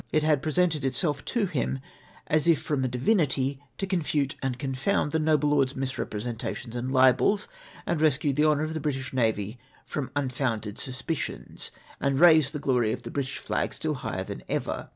It had presented itself to him as if from a divinity to confute and confound the noble lord's misrepresentations and libels, and rescue the honour of the British navy from unfounded aspersions, and raise the glory of the British flag still higher than ever.